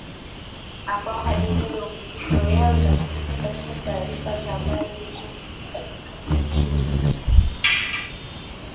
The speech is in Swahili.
ambao hadi leo midundo yao inatumika katika taarifa za habari huko katika shirika